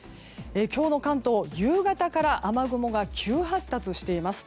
今日の関東、夕方から雨雲が急発達しています。